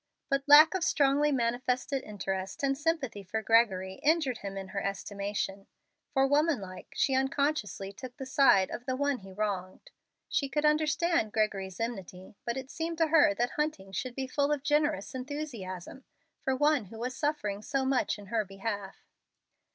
But lack of strongly manifested interest and sympathy for Gregory injured him in her estimation; for woman like she unconsciously took the side of the one he wronged. She could understand Gregory's enmity, but it seemed to her that Hunting should be full of generous enthusiasm for one who was suffering so much in her behalf.